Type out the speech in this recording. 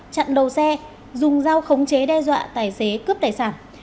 chặn đầu xe dùng dao khống chế đe dọa tài xế cướp tài sản